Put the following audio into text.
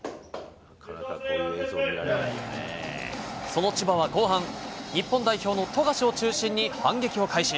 その千葉は後半、日本代表の富樫を中心に反撃を開始。